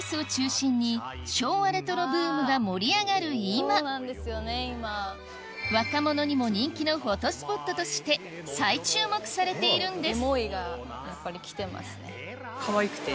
が盛り上がる今若者にも人気のフォトスポットとして再注目されているんです